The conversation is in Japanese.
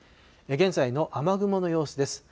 現在の雨雲の様子です。